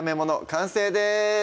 完成です